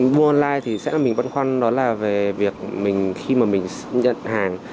mua online thì sẽ là mình quan khoan đó là về việc mình khi mà mình nhận hàng